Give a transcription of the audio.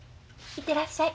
行ってらっしゃい。